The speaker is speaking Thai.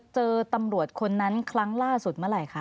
เจอตำรวจคนนั้นครั้งล่าสุดเมื่อไหร่คะ